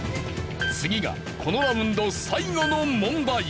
次がこのラウンド最後の問題。